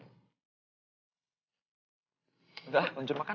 udah luncur makan